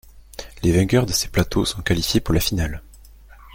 Les vainqueurs de ces plateaux sont qualifiés pour la finale.